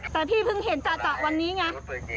แต่พี่เพิ่งเห็นจ่ะวันนี้ไง